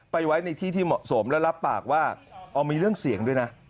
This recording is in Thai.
ไว้ในที่ที่เหมาะสมแล้วรับปากว่าอ๋อมีเรื่องเสี่ยงด้วยนะ